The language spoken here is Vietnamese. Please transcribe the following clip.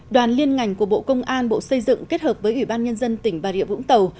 đoàn liên ngành của bộ công an bộ xây dựng kết hợp với ủy ban nhân dân tỉnh bà rịa vũng tàu